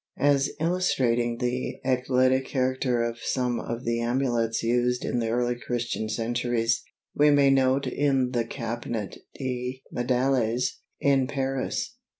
As illustrating the eclectic character of some of the amulets used in the early Christian centuries, we may note one in the Cabinet de Médailles, in Paris.